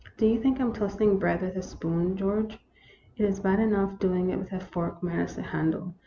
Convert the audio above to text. " Do you think I'm toasting bread with a spoon, George? It is bad enough doing it with a fork minus a handle.